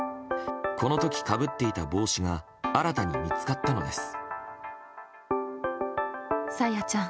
この時かぶっていた帽子が新たに見つかったのです。